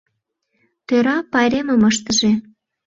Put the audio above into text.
Тӧра пайремым ыштыже.